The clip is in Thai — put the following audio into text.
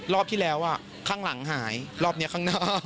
รอบที่แล้วข้างหลังหายรอบนี้ข้างหน้า